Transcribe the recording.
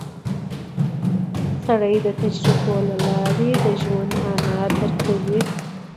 سړی د تجربو له لارې د ژوند مانا درک کوي